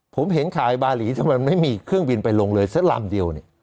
ผมเห็นขายบาหลีจะไม่มีเครื่องบินไปลงเลยสักลำเดียว